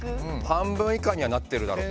半分いかにはなってるだろうと。